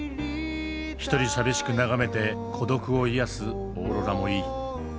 一人寂しく眺めて孤独を癒やすオーロラもいい。